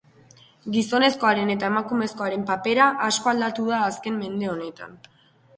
Gizonezkoaren eta emakumezkoaren papera asko aldatu da azken mende honetan.